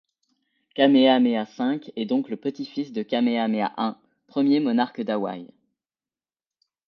Kamehameha V est donc le petit-fils de Kamehameha I, premier monarque d'Hawaï.